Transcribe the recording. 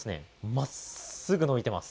真っすぐ伸びてます。